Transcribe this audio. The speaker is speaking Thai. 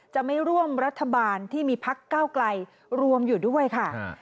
จะไม่ร่วมรัฐบาลที่มีพักเก้าไกลรวมอยู่ด้วยค่ะ